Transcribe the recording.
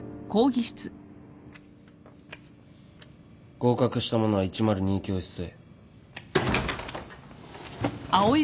合格した者は１０２教室へ。